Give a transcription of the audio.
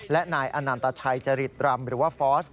และนายอนันตชัยจริตรำหรือว่าฟอส